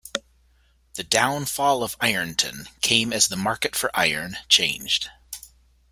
The downfall of Ironton came as the market for iron changed.